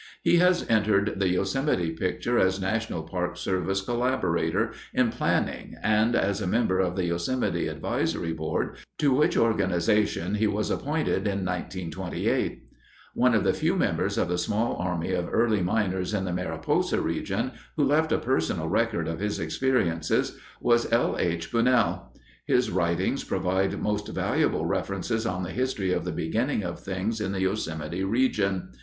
He has entered the Yosemite picture as National Park Service collaborator in planning and as a member of the Yosemite Advisory Board, to which organization he was appointed in 1928. One of the few members of the small army of early miners in the Mariposa region who left a personal record of his experiences was L. H. Bunnell. His writings provide most valuable references on the history of the beginning of things in the Yosemite region.